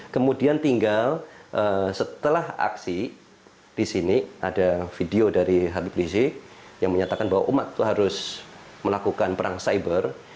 kemudian tinggal setelah aksi di sini ada video dari habib rizik yang menyatakan bahwa umat itu harus melakukan perang cyber